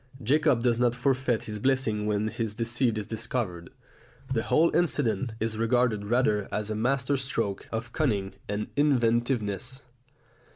Jacob does not forfeit his blessing when his deceit is discovered. The whole incident is regarded rather as a master stroke of cunning and inventiveness.